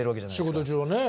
仕事中はね。